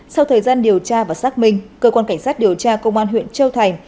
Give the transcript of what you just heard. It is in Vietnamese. sau thời gian điều tra và xác minh cơ quan cảnh sát điều tra công an huyện châu thành